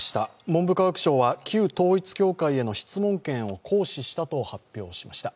文部科学省は旧統一教会への質問権を行使したと発表しました。